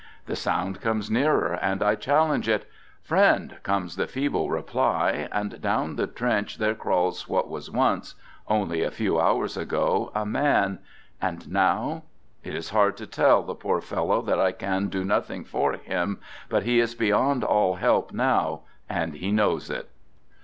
The sound comes nearer and I challenge it. " Friend," comes the feeble reply, and down the trench there crawls what was once — only a few hours ago — a man, and now. ... It is hard to tell the poor fellow that I can do nothing for him, but he is beyond all help now and he knows it.